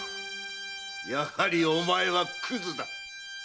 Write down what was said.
やはりお前はクズだ。